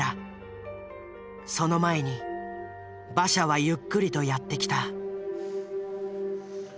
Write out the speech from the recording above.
その前に馬車はゆっくりとやってきた。